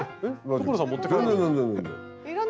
所さん持って帰らない？